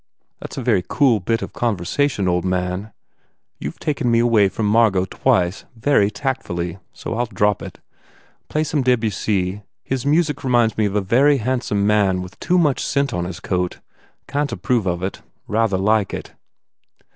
"That s a very cool bit of conversation, old man. You ve taken me away from Margot twice, very tactfully, so I ll drop it. Play some Debussy. His music reminds me of a very hand 221 THE FAIR REWARDS some man with too much scent on his coat. Can t approve of it. Rather like it."